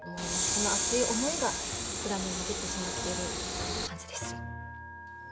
その熱い思いが裏目に出てしまっている感じです。